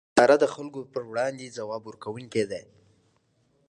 اداره د خلکو پر وړاندې ځواب ورکوونکې ده.